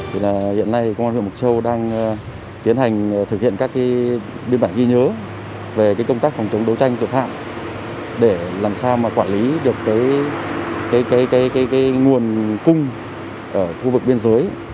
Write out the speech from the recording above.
hiện nay công an huyện mộc châu đang tiến hành thực hiện các biên bản ghi nhớ về công tác phòng chống đấu tranh tội phạm để làm sao quản lý được nguồn cung ở khu vực biên giới